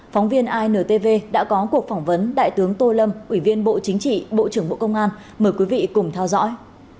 phóng viên intv đã có cuộc phỏng vấn đại tướng tô lâm ủy viên bộ chính trị bộ trưởng bộ công an mời quý vị cùng theo dõi